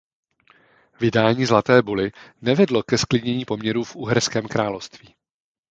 Vydání Zlaté buly nevedlo ke zklidnění poměrů v uherském království.